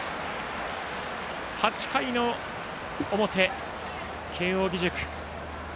８回の表、慶応義塾。